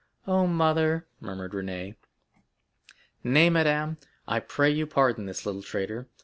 "Oh, mother!" murmured Renée. "Nay, madame, I pray you pardon this little traitor.